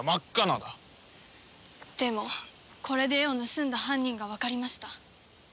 でもこれで絵を盗んだ犯人がわかりました。